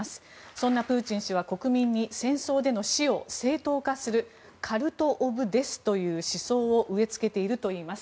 そんなプーチン氏は国民に戦争での死を正当化するカルト・オブ・デスという思想を植えつけているといいます。